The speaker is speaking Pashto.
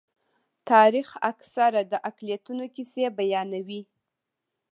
تاریخ اکثره د اقلیتونو کیسې بیانوي.